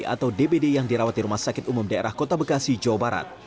atau dbd yang dirawat di rumah sakit umum daerah kota bekasi jawa barat